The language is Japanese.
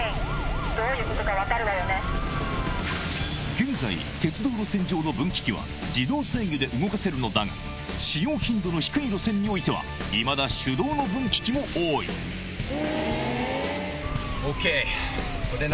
現在鉄道路線上の分岐器は自動制御で動かせるのだが使用頻度の低い路線においてはいまだ手動の分岐器も多いＯＫ！